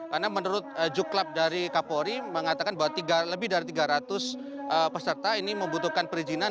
karena menurut juklap dari kapolri mengatakan bahwa lebih dari tiga ratus peserta ini membutuhkan perizinan